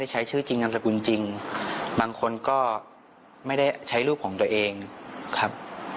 ใช้ชื่อจริงนามสกุลจริงบางคนก็ไม่ได้ใช้รูปของตัวเองครับ